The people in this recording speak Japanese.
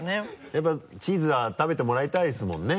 やっぱりチーズは食べてもらいたいですもんね。